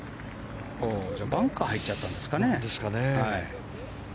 バンカーに入っちゃったんですかね。